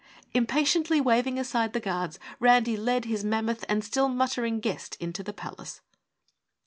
Impatiently waving aside the guards, Randy led his mammoth and still muttering guest into the palace.